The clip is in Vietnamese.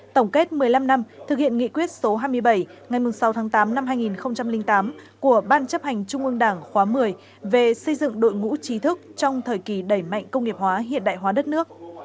tổng kết một mươi năm năm thực hiện nghị quyết số hai mươi bảy ngày sáu tháng tám năm hai nghìn tám của ban chấp hành trung ương đảng khóa một mươi về xây dựng đội ngũ trí thức trong thời kỳ đẩy mạnh công nghiệp hóa hiện đại hóa đất nước